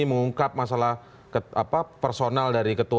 mengungkap masalah personal dari ketua